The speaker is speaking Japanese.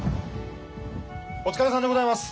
お疲れさんでございます。